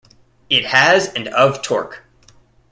It has and of torque.